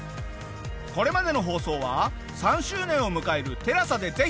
これまでの放送は３周年を迎えるＴＥＬＡＳＡでぜひ！